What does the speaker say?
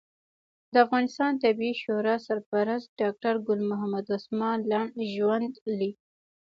د افغانستان طبي شورا سرپرست ډاکټر ګل محمد عثمان لنډ ژوند لیک